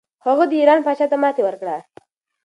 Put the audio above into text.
هغه د ایران پاچا ته ماتې ورکړه.